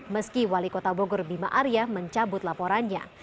meski wali kota bogor bima arya mencabut laporannya